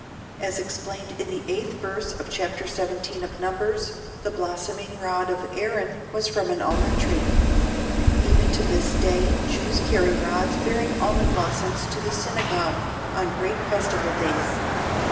As explained in the 8th verse of chapter 17 of Numbers the blossoming rod of Aaron was from an almond tree. Even to this day Jews carry rods bearing almond blossoms to the synagogues on great festival days.